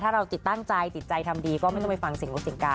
ถ้าเราติดตั้งใจติดใจทำดีก็ไม่ต้องไปฟังเสียงลดเสียงกา